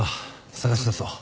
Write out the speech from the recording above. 捜し出そう。